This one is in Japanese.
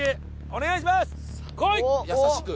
お願いします！